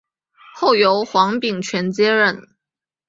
后由黄秉权接任。